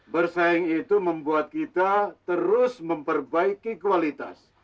bersaing itu membuat kita terus memperbaiki kualitas